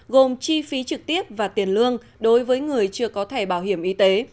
gồm chi phí trực tiếp và tiền lương đối với người chưa có thẻ bảo hiểm y tế